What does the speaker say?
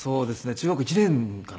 中学校１年かな？